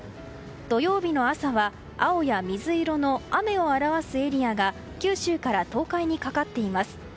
土曜日の朝は青や水色の雨を表すエリアが九州から東海にかかっています。